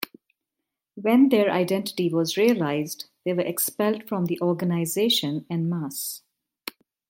When their identity was realised they were expelled from the organisation "en masse".